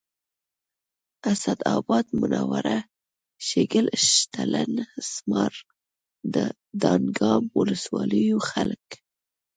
اسداباد منوره شیګل شلتن اسمار دانګام ولسوالیو خلک